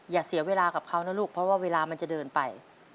อย่าเสียเวลากับเขานะลูกเพราะว่าเวลามันจะเดินไป